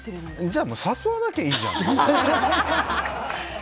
じゃあ誘わなきゃいいじゃん。